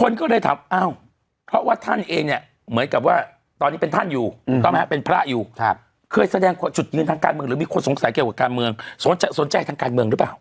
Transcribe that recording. คนก็เลยถามอ้าวเพราะว่าท่านเองเนี่ยเหมือนกับว่าตอนนี้เป็นท่านอยู่ถูกต้องไหมฮะเป็นพระอยู่เคยแสดงจุดยืนทางการเมืองหรือมีคนสงสัยเกี่ยวกับการเมืองสนใจทางการเมืองหรือเปล่า